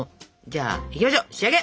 じゃあいきましょ仕上げ！